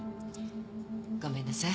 ごめんなさい。